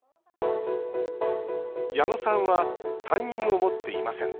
矢野さんは担任を持っていません。